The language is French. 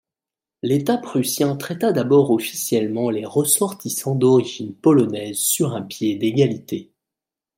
L’État prussien traita d'abord officiellement les ressortissants d'origine polonaise sur un pied d'égalité.